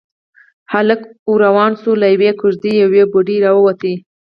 هلک ورو روان شو، له يوې کېږدۍ يوه بوډۍ راووته.